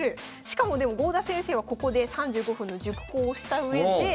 しかもでも郷田先生はここで３５分の熟考をしたうえで。